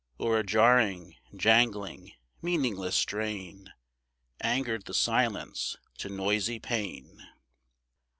Or a jarring, jangling, meaningless strain Angered the silence to noisy pain.